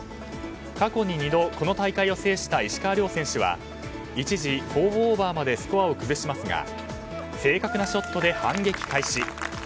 過去に２度、この大会を制した石川遼選手は一時、４オーバーまでスコアを崩しますが正確なショットで反撃開始。